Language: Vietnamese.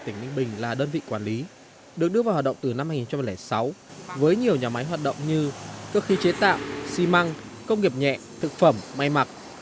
tỉnh ninh bình là đơn vị quản lý được đưa vào hoạt động từ năm hai nghìn sáu với nhiều nhà máy hoạt động như cơ khí chế tạo xi măng công nghiệp nhẹ thực phẩm may mặc